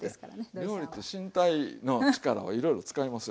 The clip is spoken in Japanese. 料理って身体の力をいろいろ使いますよ。